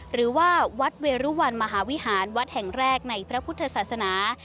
หรือว่าวัดเวรุวันมหาวิหารวัดแห่งแรกในพระพุทธศาสนา